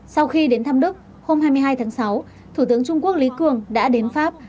sau khi đến thăm đức hôm hai mươi hai tháng sáu thủ tướng trung quốc lý cường đã đến pháp